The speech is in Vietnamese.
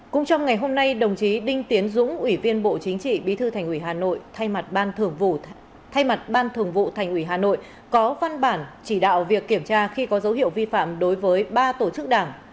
cũng trong ngày hôm nay đồng chí đinh tiến dũng ủy viên bộ chính trị bí thư thành ủy hà nội thay mặt ban thường vụ thành ủy hà nội có văn bản chỉ đạo việc kiểm tra khi có dấu hiệu vi phạm đối với ba tổ chức đảng